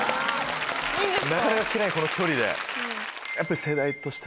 なかなか聴けないこの距離で。